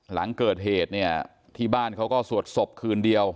หลังเกิดเหตุเนี่ยที่บ้านเขาก็สวดศพคืนเดียว